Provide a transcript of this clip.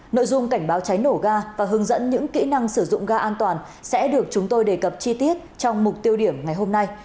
nội dung cảnh báo cháy nổ ga và hướng dẫn những kỹ năng sử dụng ga an toàn sẽ được chúng tôi đề cập chi tiết trong mục tiêu điểm ngày hôm nay